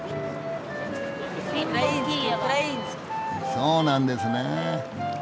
そうなんですね。